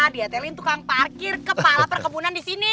diatelin tukang parkir kepala perkebunan di sini